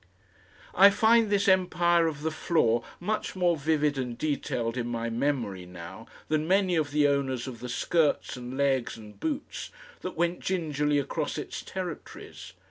I find this empire of the floor much more vivid and detailed in my memory now than many of the owners of the skirts and legs and boots that went gingerly across its territories.